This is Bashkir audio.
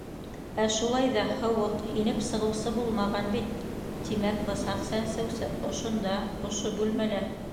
Ә шулай ҙа һыуыҡ, инеп-сығыусы булмаған бит, тимәк, бысаҡ сәнсеүсе ошонда, ошо бүлмәлә.